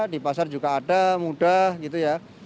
di pasar juga ada mudah gitu ya